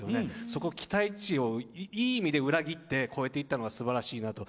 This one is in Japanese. そこ、期待値をいい意味で裏切って超えていったのがすばらしいなと。